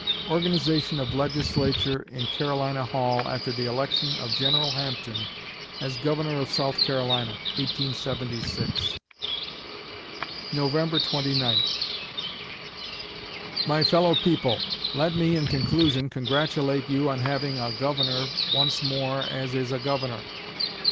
Organization of Legislature in Carolina Hall after the election of General Hampton as Governor of South Carolina, 1876 November Twenty Ninth My fellow people, let me, in conclusion, congratulate you on having a Governor once more as is a Governor.